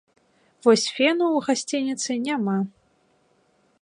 Вось фену ў гасцініцы няма.